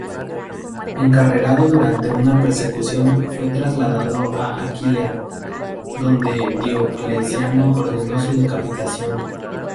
Encarcelado durante una persecución, fue trasladado a Aquilea, donde Diocleciano ordenó su decapitación.